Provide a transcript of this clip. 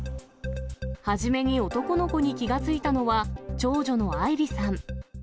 初めに男の子に気が付いたのは、長女の愛莉さん。